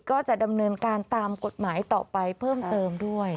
ก็จะดำเนินการตามกฎหมายต่อไปเพิ่มเติมด้วย